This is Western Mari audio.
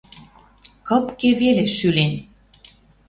Кыпке веле шӱлен.